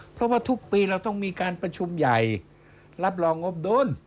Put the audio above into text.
เพราะว่าทุกปีเราต้องมีการประชุมใหญ่รับรองงบโดน